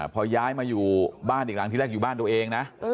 พอย้ายมาอยู่บ้านอีกหลังที่แรกอยู่บ้านตัวเองนะ